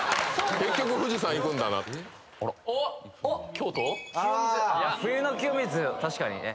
清水冬の清水確かにね